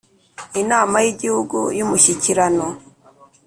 Inama y’ igihugu y umushyikirano